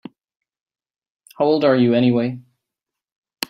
How old are you anyway?